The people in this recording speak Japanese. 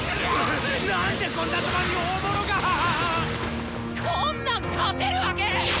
何でこんな序盤に大物が⁉こんなん勝てるわけ。